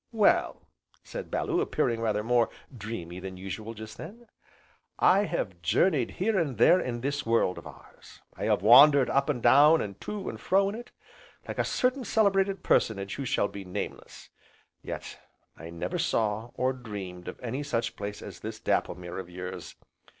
"Well," said Bellew, appearing rather more dreamy than usual, just then, "I have journeyed here and there in this world of ours, I have wandered up and down, and to and fro in it, like a certain celebrated personage who shall be nameless, yet I never saw, or dreamed, of any such place as this Dapplemere of yours.